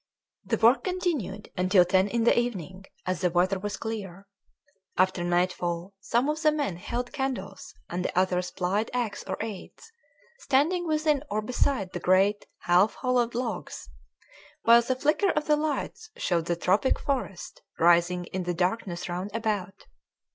The work continued until ten in the evening, as the weather was clear. After nightfall some of the men held candles and the others plied axe or adze, standing within or beside the great, half hollowed logs, while the flicker of the lights showed the tropic forest rising in the darkness round about.